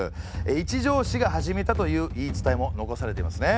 一条氏が始めたという言い伝えも残されていますね。